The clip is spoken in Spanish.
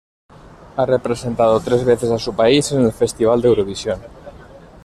Ha representado tres veces a su país en el Festival de Eurovisión.